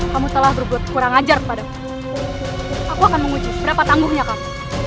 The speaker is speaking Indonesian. kamu telah berbuat kurang ajar padamu aku akan menguji seberapa tangguhnya kamu